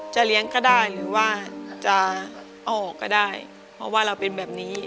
เลี้ยงก็ได้หรือว่าจะออกก็ได้เพราะว่าเราเป็นแบบนี้